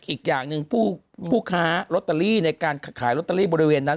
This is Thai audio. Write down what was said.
อีกอย่างหนึ่งผู้ค้าลอตเตอรี่ในการขายลอตเตอรี่บริเวณนั้น